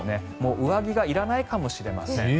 上着がいらないかもしれません。